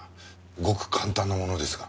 ごく簡単なものですが。